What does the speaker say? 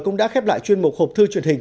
cũng đã khép lại chuyên mục hộp thư truyền hình